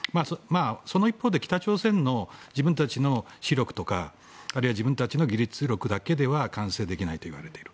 その一方で北朝鮮の自分たちの資力とかあるいは自分たちの技術力だけでは完成できないといわれている。